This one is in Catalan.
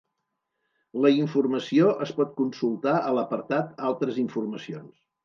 La informació es pot consultar a l'apartat ''Altres informacions''.